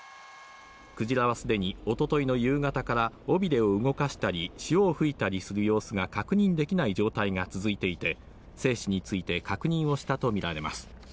クジラはすでに一昨日の夕方から尾びれを動かしたり、潮を吹いたりする様子が確認できない状態が続いていて、生死について確認をしたとみられます。